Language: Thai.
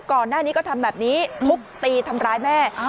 ก่อนหน้านี้ก็ทำแบบนี้ทุบตีทำร้ายแม่